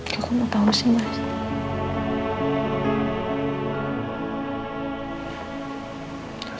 kok kamu tahu sih mas